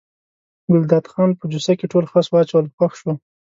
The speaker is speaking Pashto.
ګلداد خان په جوسه کې ټول خس واچول خوښ شو.